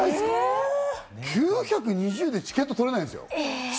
９２０でチケット取れないんですよ。